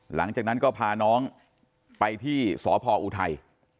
หลังจากนั้นก็พาน้องไปที่สพออุทัย